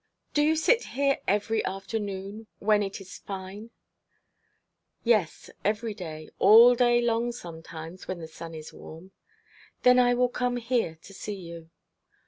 'Do you sit here every afternoon when it is fine?' 'Yes, every day all day long sometimes when the sun is warm.' 'Then I will come here to see you.'